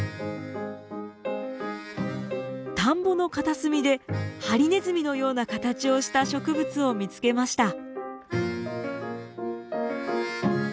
田んぼの片隅でハリネズミのような形をした植物を見つけました。